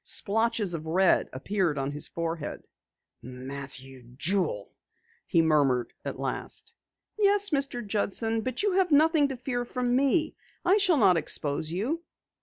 Splotches of red appeared on his forehead. "Matthew Jewel?" he murmured at last. "Yes, Mr. Judson, but you have nothing to fear from me. I shall not expose you."